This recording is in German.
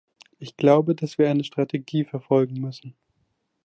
Ich glaube, dass wir eine Strategie verfolgen müssen.